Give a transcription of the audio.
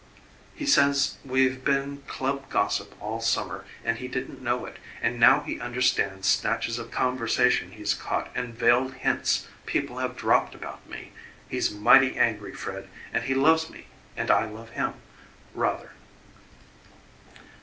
He says we've been club gossip all summer and he didn't know it, and now he understands snatches of conversation he's caught and veiled hints people have dropped about me. He's mighty angry, Fred, and he loves me and I love him rather."